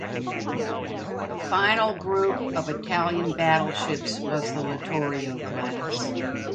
The final group of Italian battleships was the "Littorio" class.